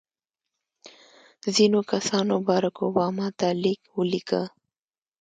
ځینو کسانو بارک اوباما ته لیک ولیکه.